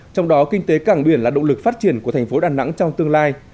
trong đó kinh tế cảng biển là động lực phát triển của thành phố đà nẵng trong tương lai